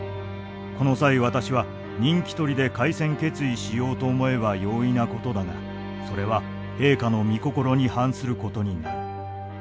この際私は人気取りで開戦決意しようと思えば容易なことだがそれは陛下の御心に反することになる。